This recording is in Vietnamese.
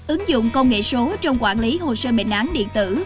ứng dụng công nghệ số trong quản lý hồ sơ bệnh án điện tử